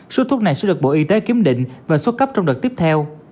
số thuốc này sẽ được bộ y tế kiếm định và xuất cấp trong đợt tiếp theo